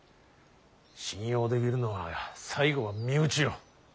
信用できるのは最後は身内よ。